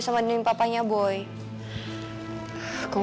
nah ada apaan baby